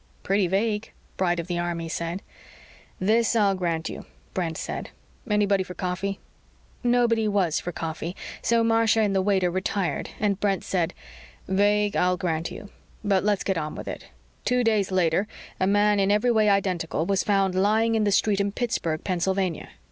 "Pretty vague," Bright of the Army said. "This I'll grant you." Brent said. "Anybody for coffee?" Nobody was for coffee so Marcia and the waiter retired and Brent said, "Vague, I'll grant you. But let's get on with it. Two days later, a man, in every way identical, was found lying in the street in Pittsburgh, Pennsylvania.